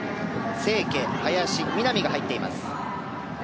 清家、林、南が入っています。